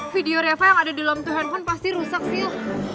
video reva yang ada di lampu handphone pasti rusak sih